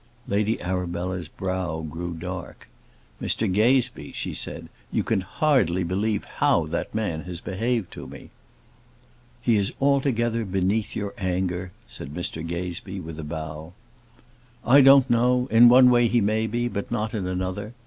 Lady Arabella's brow grew dark. "Mr Gazebee," she said, "you can hardly believe how that man has behaved to me." "He is altogether beneath your anger," said Mr Gazebee, with a bow. "I don't know: in one way he may be, but not in another.